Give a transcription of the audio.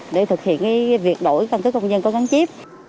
để thực hiện việc đổi căn cứ công dân có gắn chip